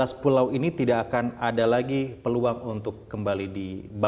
let's make us clear tiga belas pulau ini tidak akan ada lagi peluang untuk kembali di indonesia